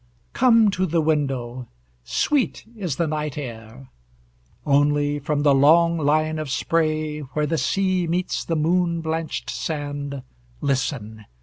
Come to the window, sweet is the night air! Only, from the long line of spray Where the sea meets the moon blanched sand, Listen!